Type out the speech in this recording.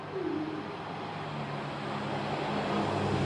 密西西比州议会大厦是美国密西西比州议会的开会地点。